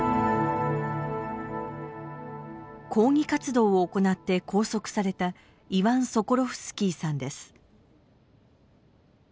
抗議活動を行って拘束されたイワン・ソコロフスキーさんです。